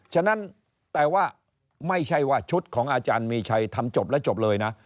ฉะนั้นแต่ว่าไม่ใช่ว่าชุดของอาจารย์มีชัยทำจบและจบเลยนะ